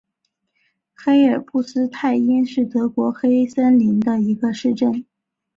黑尔布斯泰因是德国黑森州的一个市镇。